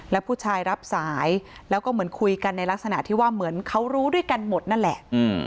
แล้วผู้ชายรับสายแล้วก็เหมือนคุยกันในลักษณะที่ว่าเหมือนเขารู้ด้วยกันหมดนั่นแหละ